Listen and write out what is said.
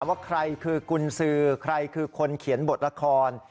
ว่าใครคือกุญสือใครคือคนเขียนบทละคร